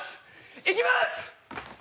いきます！